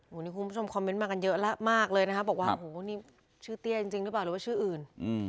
คุณผู้ชมคอมเมนต์มากันเยอะมากเลยนะครับบอกว่าชื่อเตี้ยจริงหรือเปล่าหรือว่าชื่ออื่น